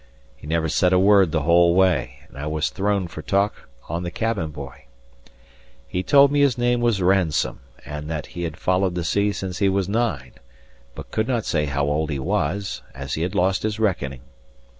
He never said a word the whole way; and I was thrown for talk on the cabin boy. He told me his name was Ransome, and that he had followed the sea since he was nine, but could not say how old he was, as he had lost his reckoning.